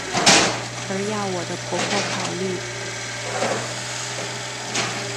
而要我的婆婆考虑！